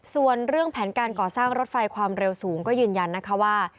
ส่วนเรื่องแผนการก่อสร้างรถไฟความเร็วสูงก็ยืนยันนะคะว่า